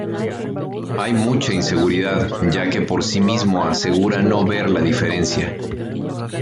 Hay mucha inseguridad ya que por sí mismo asegura no ver la diferencia.